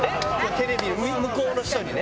テレビの向こうの人にね。